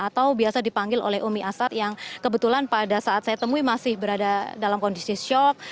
atau biasa dipanggil oleh umi asad yang kebetulan pada saat saya temui masih berada dalam kondisi syok